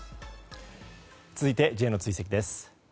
続いて、Ｊの追跡です。